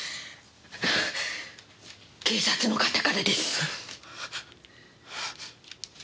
警察の方からです。